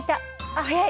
あっ早い。